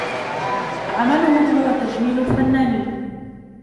عملهم هو تجميل الفنانين.